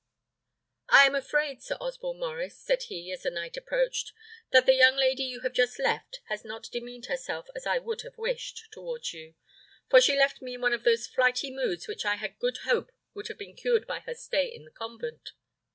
"I am afraid, Sir Osborne Maurice," said he, as the knight approached, "that the young lady you have just left has not demeaned herself as I could have wished, towards you; for she left me in one of those flighty moods which I had good hope would have been cured by her stay in the convent."